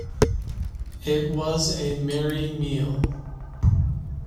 It was a merry meal.